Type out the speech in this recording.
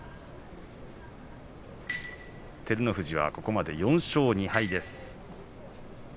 照ノ富士はここまで４勝２敗です。